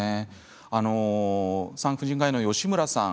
産婦人科医の吉村さん